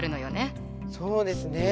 そうですね。